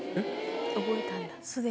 覚えたんだ。